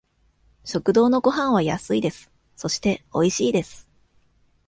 食堂のごはんは安いです。そして、おいしいです。